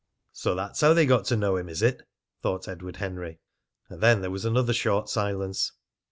"So that's how they got to know him, is it?" thought Edward Henry. And then there was another short silence.